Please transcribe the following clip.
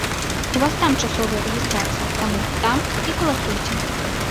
У вас там часовая рэгістрацыя, таму там і галасуйце.